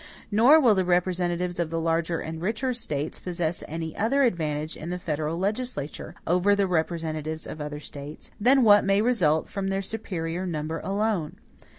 Nor will the representatives of the larger and richer States possess any other advantage in the federal legislature, over the representatives of other States, than what may result from their superior number alone.